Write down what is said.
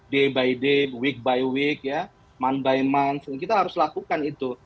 hari demi hari minggu demi minggu bulan demi bulan kita harus lakukan itu